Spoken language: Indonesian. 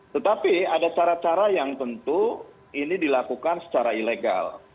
tetapi ada cara cara yang tentu ini dilakukan secara ilegal